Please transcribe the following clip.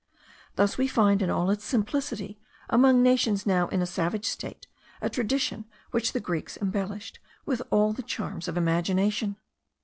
Thus we find in all its simplicity, among nations now in a savage state, a tradition which the Greeks embellished with all the charms of imagination!